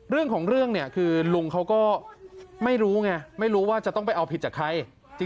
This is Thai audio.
เรื่องของเรื่องเนี่ยคือลุงเขาก็ไม่รู้ไงไม่รู้ว่าจะต้องไปเอาผิดจากใคร